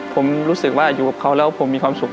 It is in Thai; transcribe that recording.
ผมรู้สึกว่าอยู่กับเขาแล้วผมมีความสุข